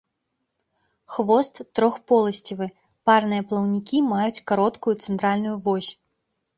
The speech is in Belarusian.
Хвост трохлопасцевы, парныя плаўнікі маюць кароткую цэнтральную вось.